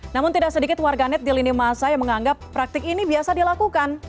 namun tidak sedikit warganet di lini masa yang menganggap praktik ini biasa dilakukan